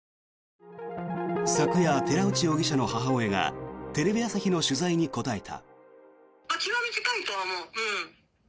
昨夜、寺内容疑者の母親がテレビ朝日の取材に答えた。